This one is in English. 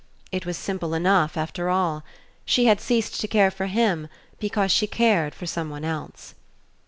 It was simple enough, after all. She had ceased to care for him because she cared for someone else.